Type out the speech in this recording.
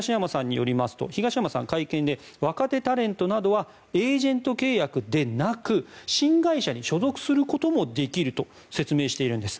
東山さんは会見で、若手タレントなどはエージェント契約でなく新会社に所属することもできると説明しているんです。